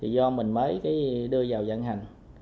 do mình mới đưa vào dạng hành